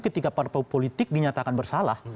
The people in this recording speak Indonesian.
ketika partai politik dinyatakan bersalah